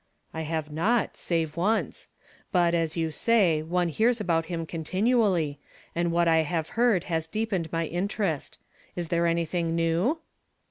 " I have not, save once. But, as you say, one hears about him continually ; and what I have heard has deepened my interest. Is there anything new